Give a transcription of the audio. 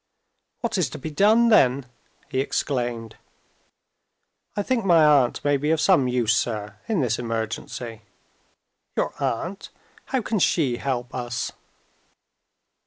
"What is to be done, then?" he exclaimed. "I think my aunt may be of some use, sir, in this emergency." "Your aunt? How can she help us?"